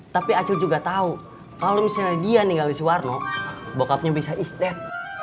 tapi acil juga tau kalo misalnya dia ninggalin si warno bokapnya bisa istet